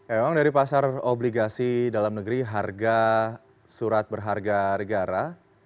emang dari pasar obligasi dalam negeri harga surat berharga negara